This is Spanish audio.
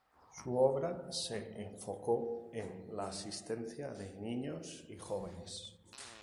Su obra se enfocó en la asistencia de niños y jóvenes.